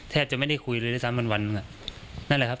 แต่กับ